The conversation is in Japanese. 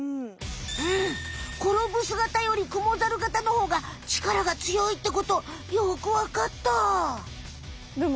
うんコロブス型よりクモザル型のほうが力がつよいってことよくわかった！